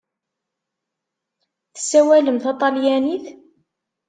Tessawalem taṭalyanit?